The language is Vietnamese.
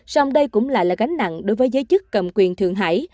song đây cũng lại là gánh nặng đối với giới chức cầm quyền thượng hải